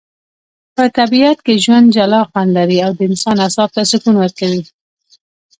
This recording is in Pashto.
په طبیعت کي ژوند جلا خوندلري.او د انسان اعصاب ته سکون ورکوي